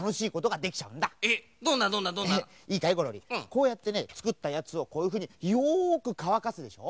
こうやってねつくったやつをこういうふうによくかわかすでしょ。